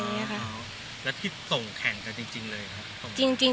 แล้วที่ส่งแข่งกันจริงเลยครับ